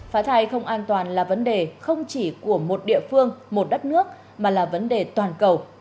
phá thai không an toàn là vấn đề không chỉ của một địa phương một đất nước mà là vấn đề toàn cầu